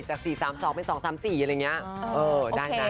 จาก๔๓๒เป็น๒๓๔อะไรเงี่ย